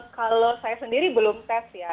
kalau saya sendiri belum tes ya